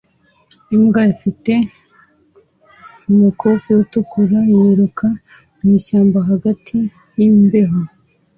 Imbwa ifite umukufi utukura yiruka mu ishyamba hagati yimbeho